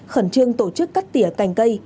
khẩn trương tổ chức cắt tỉa cành cây